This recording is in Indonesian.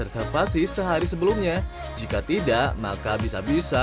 reservasi sehari sebelumnya jika tidak maka bisa bisa